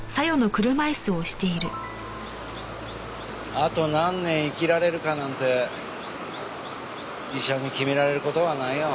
あと何年生きられるかなんて医者に決められる事はないよ。